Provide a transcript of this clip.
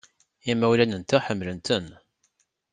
Imawlan-nteɣ ḥemmlen-ten.